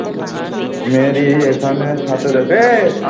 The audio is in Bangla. মেরি, এখানে আমার সাথে দেখা কর।